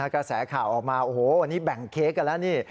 กระแสข่าวออกมาโอ้โหวันนี้แบ่งเค้กกันแล้วนี่